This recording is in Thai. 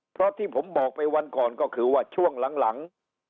เพราะที่ผมบอกไปวันก่อนก็คือว่าช่วงหลัง